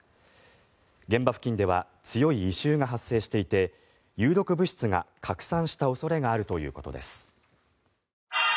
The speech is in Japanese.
現場付近では強い異臭が発生していて有毒物質が拡散した恐れがあるということです。